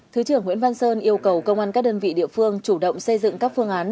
thứ trưởng nguyễn văn sơn yêu cầu công an các đơn vị địa phương chủ động xây dựng các phương án